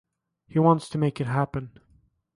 He wants to make it happen.